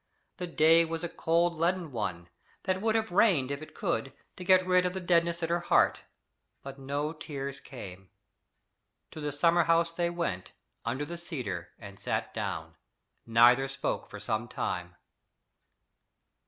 The day was a cold leaden one, that would have rained if it could, to get rid of the deadness at its heart, but no tears came. To the summer house they went, under the cedar, and sat down. Neither spoke for some time.